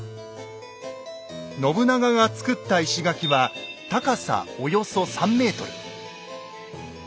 信長が造った石垣は高さおよそ３ｍ。